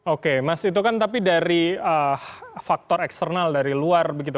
oke mas itu kan tapi dari faktor eksternal dari luar begitu